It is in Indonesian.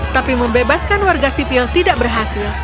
tapi membebaskan warga sipil tidak berhasil